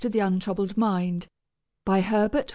net THE UNTROUBLED MIND BY HERBERT J.